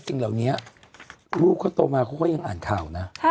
สิ่งเหล่านี้ลูกเขาโตมาเขาก็ยังอ่านข่าวนะ